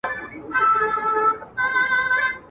منتظر د ترقی د دې کهسار یو.